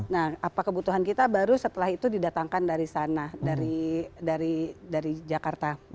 nah apa kebutuhan kita baru setelah itu didatangkan dari sana dari jakarta